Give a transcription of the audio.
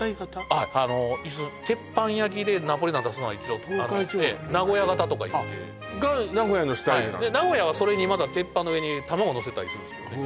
あっ鉄板焼きでナポリタン出すのは一応東海地方の東海？名古屋型とかいってが名古屋のスタイルなんだはい名古屋はそれにまだ鉄板の上に卵のせたりするんですけどね